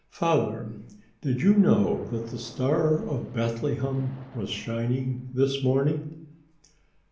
Father, did you know that the star of Bethlehem was shining this morning?"